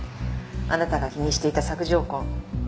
あなたが気にしていた索条痕。